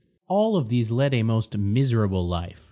All of these led a most miserable life.